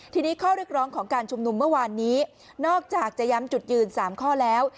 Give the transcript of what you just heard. ทีนี้ข้อเรียกร้องของการชุมนุมเมื่อวานนี้นอกจากจะย้ำจุดยืน๓ข้อแล้ว